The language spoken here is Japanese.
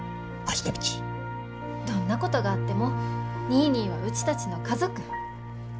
どんなことがあってもニーニーはうちたちの家族。